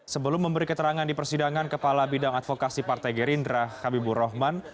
sebelum memberi keterangan di persidangan kepala bidang advokasi partai gerindra habibur rahman